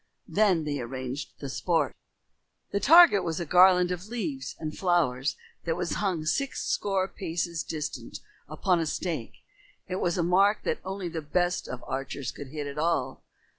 Then they arranged the sports. The target was a garland of leaves and flowers that was hung six score paces distant upon a stake. It was a mark that only the best of archers could hit at all.